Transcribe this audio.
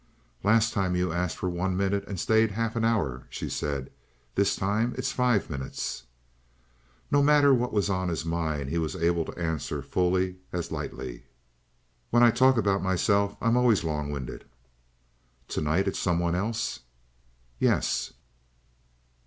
"Last time you asked for one minute and stayed half an hour," she said. "This time it's five minutes." No matter what was on his mind he was able to answer fully as lightly. "When I talk about myself, I'm always long winded." "Tonight it's someone else?" "Yes."